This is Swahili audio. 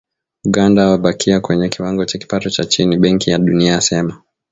"Uganda yabakia kwenye kiwango cha kipato cha chini", Benki ya Dunia yasema.